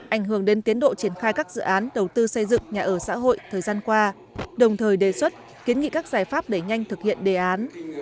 ảnh hưởng đến tiến độ triển khai các dự án đầu tư xây dựng nhà ở xã hội thời gian qua đồng thời đề xuất kiến nghị các giải pháp đẩy nhanh thực hiện đề án